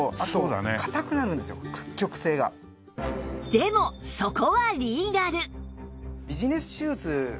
でもそこはリーガル！